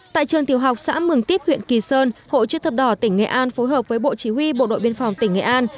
tại trường tiểu học xã mường tiếp huyện kỳ sơn hội chức thập đỏ tỉnh nghệ an phối hợp với bộ chỉ huy bộ đội biên phòng tỉnh nghệ an